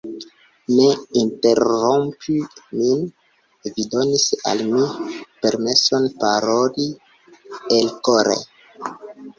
Ne interrompu min; vi donis al mi permeson paroli elkore.